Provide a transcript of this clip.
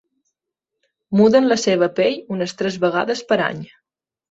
Muden la seva pell unes tres vegades per any.